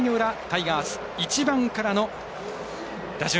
タイガース、１番からの打順。